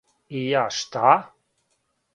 И ја шта?